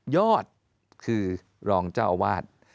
ยอดคือรองเจ้าอาวาส